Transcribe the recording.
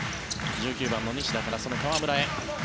１９番の西田からその河村へ。